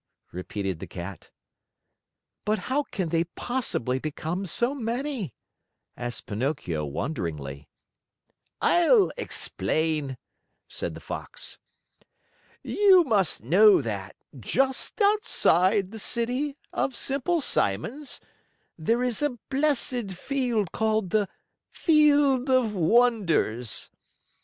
repeated the Cat. "But how can they possibly become so many?" asked Pinocchio wonderingly. "I'll explain," said the Fox. "You must know that, just outside the City of Simple Simons, there is a blessed field called the Field of Wonders.